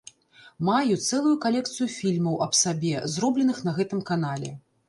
Маю цэлую калекцыю фільмаў аб сабе, зробленых на гэтым канале.